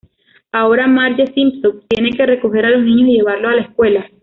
Ahora Marge Simpson tiene que recoger a los niños y llevarlos a la escuela.